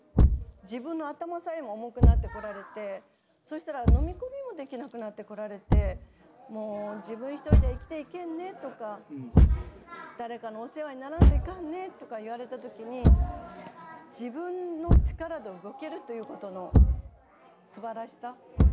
自分の頭さえも重くなってこられてそしたら飲み込みもできなくなってこられて「もう自分一人で生きていけんね」とか「誰かのお世話にならんといかんね」とか言われた時に自分の力で動けるということのすばらしさ。